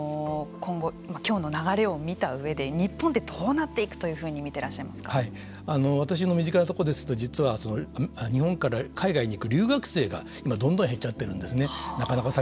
渡辺さんは今後今日の流れを見た上で日本ってどうなっていくというふうに私の身近なとこですと実は日本から海外へ行く留学生が今、どんどん減っちゃっているんですね。